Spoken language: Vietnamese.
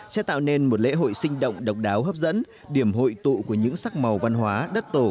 sẽ tạo nên một lễ hội sinh động độc đáo hấp dẫn điểm hội tụ của những sắc màu văn hóa đất tổ